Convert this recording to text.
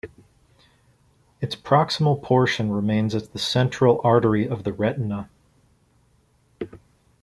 Its proximal portion remains as the central artery of the retina.